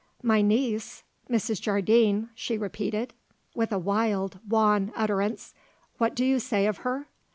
"My niece? Mrs. Jardine?" she repeated, with a wild, wan utterance. "What do you say of her?"